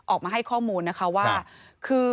ออกมาให้ข้อมูลนะคะว่าคือ